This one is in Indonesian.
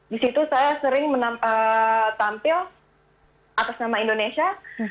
di situ saya sering tampil atas nama indonesia